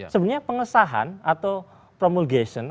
sebenarnya pengesahan atau promulgation